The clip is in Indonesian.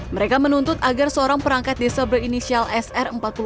mereka menuntut agar seorang perangkat desa berinisial sr empat puluh lima